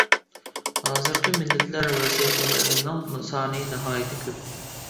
ھازىرقى مىللەتلەر ۋەسىقىلىرىنىڭ سانى ناھايىتى كۆپ.